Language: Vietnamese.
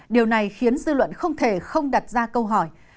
điều này khiến dư luận không thể không đặt ra câu hỏi